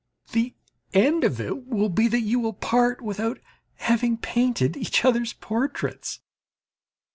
The end of it will be that you will part without having painted each other's portraits.